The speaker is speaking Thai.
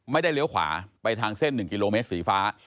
เลี้ยวขวาไปทางเส้น๑กิโลเมตรสีฟ้า